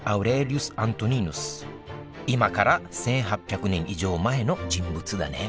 今から１，８００年以上前の人物だね